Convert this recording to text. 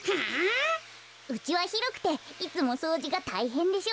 うちはひろくていつもそうじがたいへんでしょ。